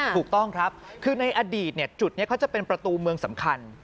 ถูกต้องครับคือในอดีตจุดนี้เขาจะเป็นประตูเมืองสำคัญ